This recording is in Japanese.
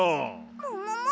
ももも？